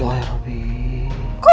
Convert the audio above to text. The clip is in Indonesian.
wa'alaikumussalam warahmatullahi wabarakatuh